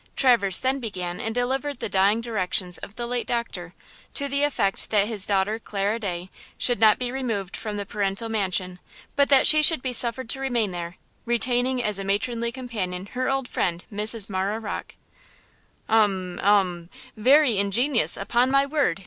Traverse then began and delivered the dying directions of the late doctor, to the effect that his daughter Clara Day should not be removed from the paternal mansion, but that she should be suffered to remain there, retaining as a matronly companion her old friend Mrs. Marah Rocke. "Umm! umm! very ingenious, upon my word!"